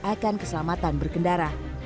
akan keselamatan berkendara